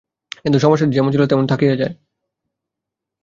কিন্তু সমস্যাটি যেমন ছিল, তেমনি থাকিয়া যায়।